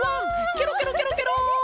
ケロケロケロケロ！